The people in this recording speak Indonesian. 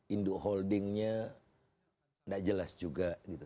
induk holdingnya tidak jelas juga gitu